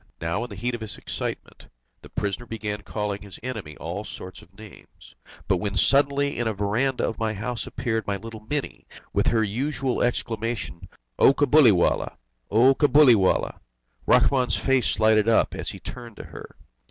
Now in the heat of his excitement, the prisoner began calling his enemy all sorts of names, when suddenly in a verandah of my house appeared my little Mini, with her usual exclamation: "O Cabuliwallah! Cabuliwallah!" Rahmun's face lighted up as he turned to her.